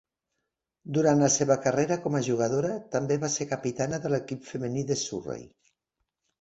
Durant la seva carrera com a jugadora, també va ser capitana de l'equip femení de Surrey.